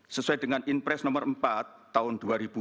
sesuai dengan inpres no empat tahun dua ribu dua puluh dua